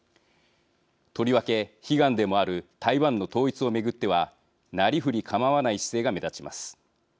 とりわけ悲願でもある台湾の統一を巡ってはなりふり構わない姿勢が目立ちます。